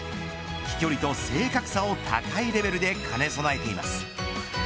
飛距離と正確さを高いレベルで兼ね備えています。